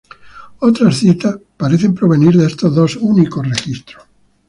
Otras citas parecen provenir de estos dos únicos registros.